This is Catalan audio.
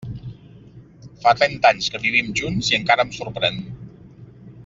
Fa trenta anys que vivim junts i encara em sorprèn.